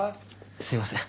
すいません。